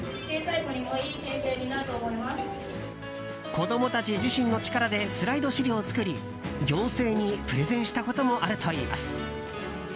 子供たち自身の力でスライド資料を作り行政にプレゼンしたこともあるといいます。